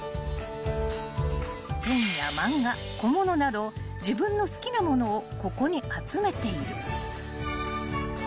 ［ペンや漫画小物など自分の好きな物をここに集めている］